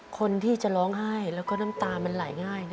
คนที่จะร้องไห้แล้วก็น้ำตามันไหลง่าย